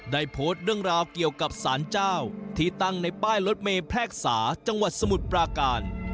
ได้โพสต์เรื่องราวเกี่ยวกับสารเจ้าที่ตั้งในป้ายรถเมย์แพรกษาจังหวัดสมุทรปราการ